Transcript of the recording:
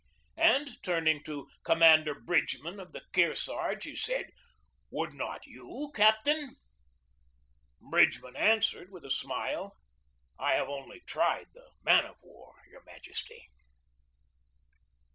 And turning to Commander Bridgeman, of the Kearsarge, he said: "Would not you, captain?" Bridgeman answered, with a smile: "I have only tried the man of war, your Majesty."